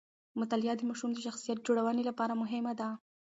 مطالعه د ماشوم د شخصیت جوړونې لپاره مهمه ده.